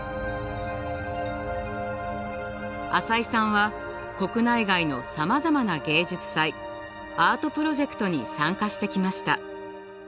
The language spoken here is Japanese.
淺井さんは国内外のさまざまな芸術祭アートプロジェクトに参加してきました。